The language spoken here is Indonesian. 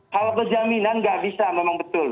kalau berjaminan nggak bisa memang betul